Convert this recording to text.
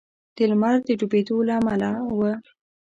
د لمر د ډبېدو له امله و.